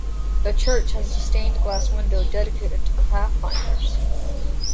The church has a stained glass window dedicated to the Pathfinders.